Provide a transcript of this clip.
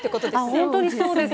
本当にそうです。